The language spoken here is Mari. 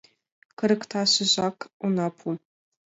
Кырыкташыжак огына пу.